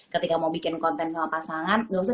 ketika mau bikin konten sama pasangan gak usah